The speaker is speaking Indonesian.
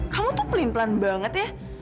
kamu tuh pelin pelan banget ya